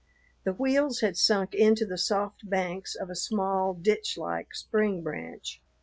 The wheels had sunk into the soft banks of a small, ditch like spring branch.